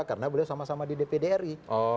karena beliau sama sama di dpd ri